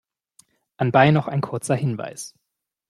Anbei noch ein kurzer Hinweis.